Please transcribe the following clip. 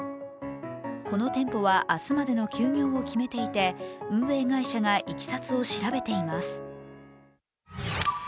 この店舗は明日までの休業を決めていて運営会社がいきさつを調べています。